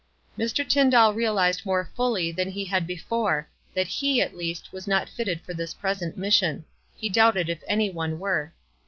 Mr. Tyndall real ized more fully than he had before that he at least was not fitted for his present mission ; he doubted if any one were.